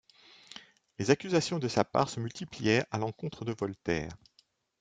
Les accusations de sa part se multiplièrent à l'encontre de Voltaire.